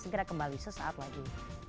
segera kembali sesaat lagi